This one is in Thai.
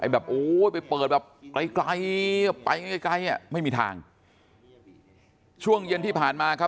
แบบโอ้ยไปเปิดแบบไกลไกลไปไกลไกลอ่ะไม่มีทางช่วงเย็นที่ผ่านมาครับ